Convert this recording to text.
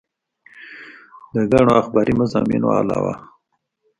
د ګڼو اخباري مضامينو نه علاوه